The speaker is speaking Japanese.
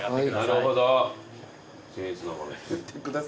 なるほど。